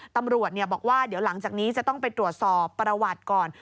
ตำรวจบอกว่าเดี๋ยวหลังจากนี้จะต้องไปตรวจสอบประวัติก่อน